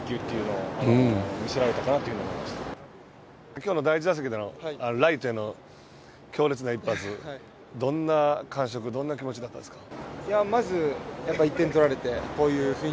今日の第１打席でのライトでのホームラン、強烈な一発どんな感触どんな気持ちでしたか。